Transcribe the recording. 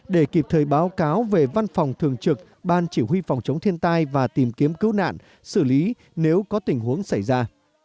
để kịp thời báo cáo về văn phòng thường trực ban chỉ huy phòng chống thiên tai và tìm kiếm cứu nạn xử lý nếu có tình huống xảy ra